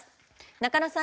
中野さん